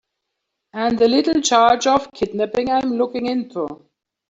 And a little charge of kidnapping I'm looking into.